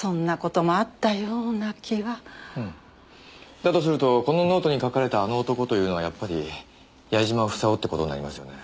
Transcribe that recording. だとするとこのノートに書かれた「あの男」というのはやっぱり矢嶋房夫という事になりますよね？